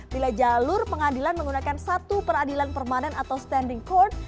bila jalur pengadilan menggunakan satu peradilan permanen atau standing court